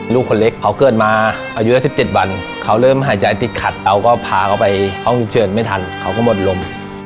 ลูกคนเล็กเขาเกิดมาอายุ๑๗วันเขาเริ่มหายใจติดขัดเราก็พาเขาไปห้องฉุกเฉินไม่ทันเขาก็หมดลม